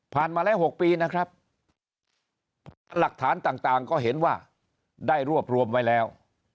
มาแล้ว๖ปีนะครับหลักฐานต่างก็เห็นว่าได้รวบรวมไว้แล้ว